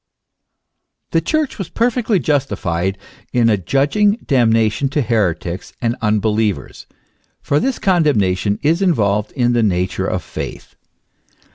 The Church was perfectly justified in adjudging damnation to heretics and unbelievers,* for this condemnation is involved in the nature of faith.